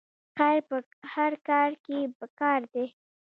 خیر په هر کار کې پکار دی